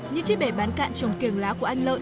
những chiếc bẻ bán cạn trồng kiềng lá của anh lợi